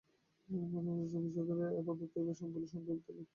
রবিবাসরীয় ও সাধারণে প্রদত্ত এই ভাষণগুলি সঙ্কেতলিপিতে লিখিত হয়ে পরে মুদ্রিত হয়েছে।